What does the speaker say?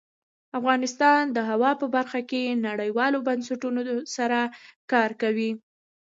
افغانستان د هوا په برخه کې نړیوالو بنسټونو سره کار کوي.